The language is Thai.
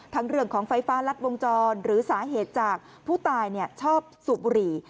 เรื่องของไฟฟ้ารัดวงจรหรือสาเหตุจากผู้ตายชอบสูบบุหรี่